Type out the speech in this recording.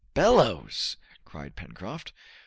"Bellows!" cried Pencroft.